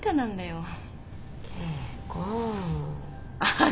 ああ。